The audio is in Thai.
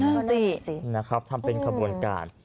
ดูสินะครับทำเป็นขบวนการ